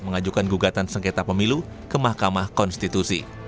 mengajukan gugatan sengketa pemilu ke mahkamah konstitusi